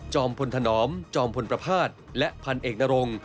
พลถนอมจอมพลประพาทและพันเอกนรง